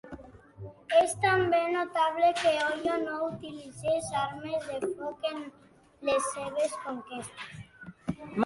És també notable que Oyo no utilitzés armes de foc en les seves conquestes.